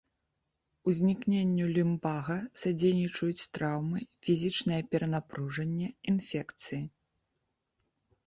Узнікненню люмбага садзейнічаюць траўмы, фізічнае перанапружанне, інфекцыі.